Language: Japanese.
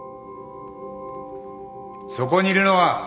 そこにいるのは？